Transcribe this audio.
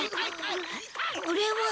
これは。